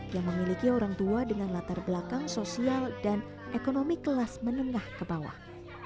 yang memiliki orang tua dengan latar belakang sosial dan ekonomi kelas menengah ke bawah